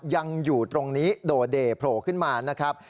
ยังอยู่ตรงนี้โดเดโผล่ขึ้นมานะครับ